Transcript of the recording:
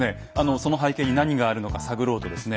その背景に何があるのか探ろうとですね